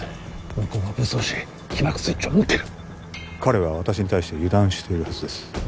向こうは武装し起爆スイッチを持ってる彼は私に対して油断しているはずです